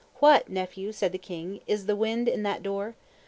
What, nephew, said the king, is the wind in that door?